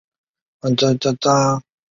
阿加汗三世。